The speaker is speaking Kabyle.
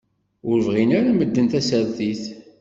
Ur bɣin ara medden tasertit.